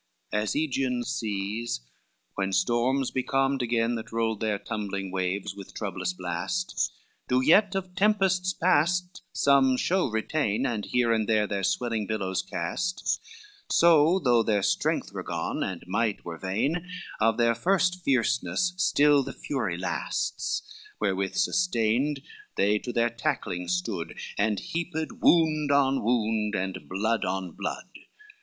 LXIII As Aegean seas when storms be calmed again That rolled their tumbling waves with troublous blasts, Do yet of tempests past some shows retain, And here and there their swelling billows casts; So, though their strength were gone and might were vain, Of their first fierceness still the fury lasts, Wherewith sustained, they to their tackling stood, And heaped wound on wound, and blood on blood.